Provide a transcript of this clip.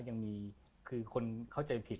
ยังมีคือคนเข้าใจผิด